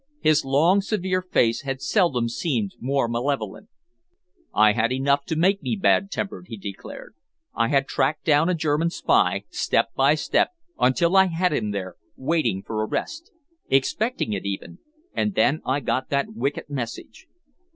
His long, severe face had seldom seemed more malevolent. "I had enough to make me bad tempered," he declared. "I had tracked down a German spy, step by step, until I had him there, waiting for arrest expecting it, even and then I got that wicked message."